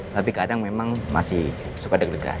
tapi kadang memang masih suka deg degan